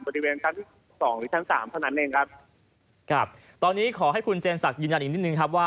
บริเวณชั้นสองหรือชั้นสามเท่านั้นเองครับครับตอนนี้ขอให้คุณเจนศักดิ์ยืนยันอีกนิดนึงครับว่า